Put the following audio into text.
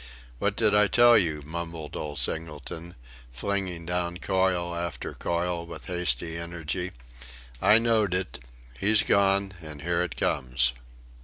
"What did I tell you?" mumbled old Singleton, flinging down coil after coil with hasty energy; "I knowed it he's gone, and here it comes."